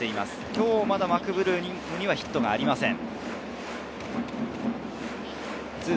今日、まだマクブルームにヒットはありません。